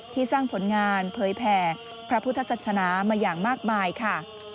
สร้างผลงานเผยแผ่พระพุทธศาสนามาอย่างมากมายค่ะ